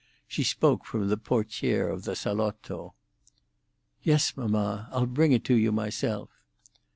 She spoke from the portière of the salotto. "Yes, mamma. I'll bring it to you myself."